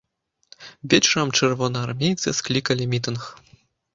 Вечарам чырвонаармейцы склікалі мітынг.